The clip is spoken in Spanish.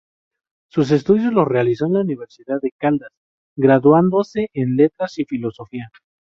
Sus estudios los realizó en la Universidad de Caldas, graduándose en Letras y Filosofía.